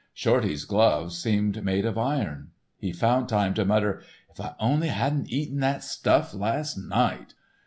Shorty's gloves seemed made of iron; he found time to mutter, "If I only hadn't eaten that stuff last night."